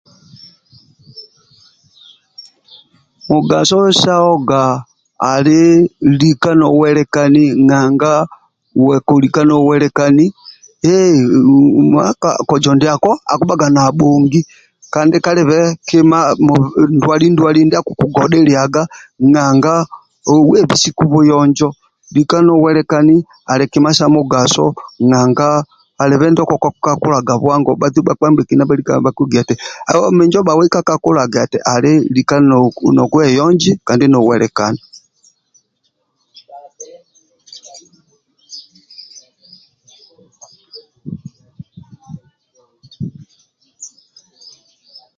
Mugaso sa oga ali lika nowelikani nanga uwe kolika nowelikani eee mmmm nawe kozo ndiako akibhaga nabhongi kandi kalibe kima ndwali ndwali ndia akukugodhiliaga nanga webisiku buyonjo lika nowelikani ali kima sa mugaso nanga alibe ndio kokukakulaga bwango bhaitu ndibhekina bhalika nibha kigia eti minjo bhawai kakukakulaga ali lika niweyonji kandi nowelikani